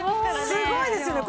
すごいですよね。